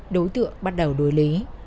đối tượng bắt đầu đối lý